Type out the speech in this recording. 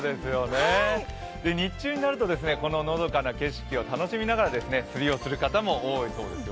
日中になると、こののどかな景色を楽しみながら釣りをする方も多いようです。